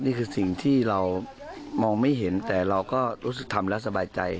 นี่คือสิ่งที่เรามองไม่เห็นแต่เราก็รู้สึกทำแล้วสบายใจ